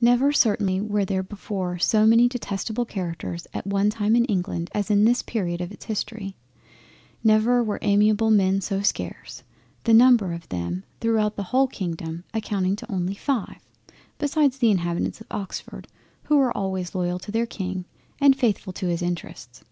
Never certainly were there before so many detestable Characters at one time in England as in this Period of its History; never were amiable men so scarce. The number of them throughout the whole Kingdom amounting only to five, besides the inhabitants of Oxford who were always loyal to their King and faithful to his interests.